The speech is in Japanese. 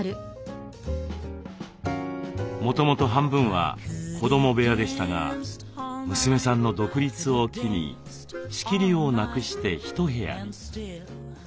もともと半分は子ども部屋でしたが娘さんの独立を機に仕切りをなくして１部屋に。